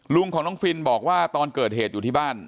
ลุงของน้องฟินบอกว่าตอนเกิดเหตุอยู่ที่บ้าน